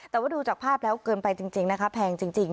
แต่ว่าดูจากภาพแล้วเกินไปจริงนะคะแพงจริง